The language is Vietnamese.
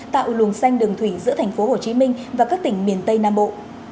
tạo lùng xanh đường thủy giữa thành phố hồ chí minh và các tỉnh miền tây nam bộ